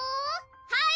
・はい！